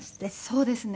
そうですね。